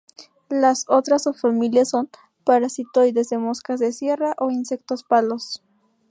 Las otras subfamilias son parasitoides de moscas de sierra o insectos palos.